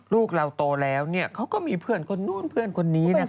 ลูกเราโตแล้วเขาก็มีเพื่อนคนนู้นเพื่อนคนนี้